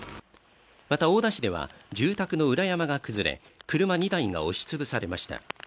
また、大田市では住宅の裏山が崩れ車２台が押しつぶされました。